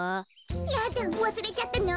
やだわすれちゃったの？